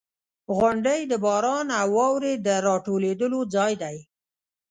• غونډۍ د باران او واورې د راټولېدو ځای دی.